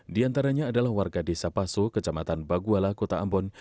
di antaranya adalah warga desa paso kecamatan baguala kota ambon